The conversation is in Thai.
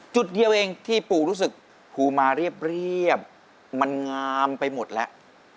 จุดเดียวเองที่ปู่รู้สึกปูมาเรียบมันงามไปหมดแล้ว